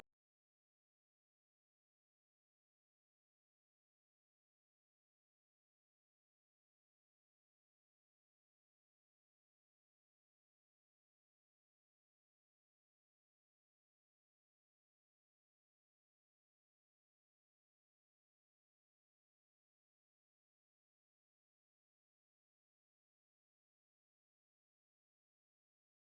โดยมีข้อความรู้สึกและความทรงจำที่มองเห็นพ่อต่อสู้เพื่อสิ่งที่พ่อรักเสมอ